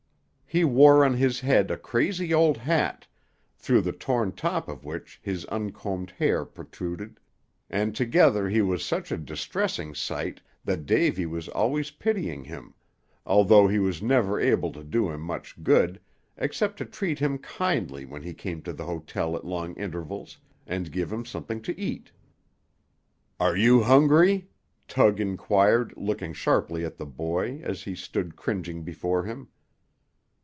He wore on his head a crazy old hat, through the torn top of which his uncombed hair protruded, and altogether he was such a distressing sight that Davy was always pitying him, although he was never able to do him much good, except to treat him kindly when he came to the hotel at long intervals, and give him something to eat. "Are you hungry?" Tug inquired, looking sharply at the boy, as he stood cringing before him.